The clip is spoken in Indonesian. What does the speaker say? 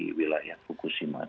di wilayah fukushima